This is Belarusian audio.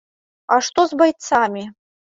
А што з байцамі?